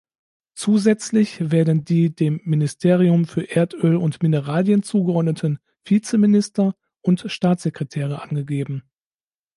Zusätzlich werden die dem Ministerium für Erdöl und Mineralien zugeordneten Vizeminister und Staatssekretäre angegeben.